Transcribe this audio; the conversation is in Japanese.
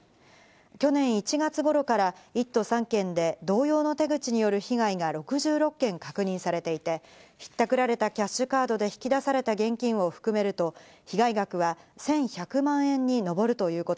去年１月頃から１都３県で同様の手口による被害が６６件確認されていて、ひったくられたキャッシュカードで引き出された現金を含めると、お天気です。